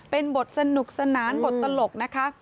เป็นบทสนุกสนานบทตลกนะคะ